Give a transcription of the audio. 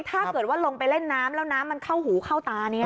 ถ้าเกิดว่าลงไปเล่นน้ำแล้วน้ำมันเข้าหูเข้าตานี้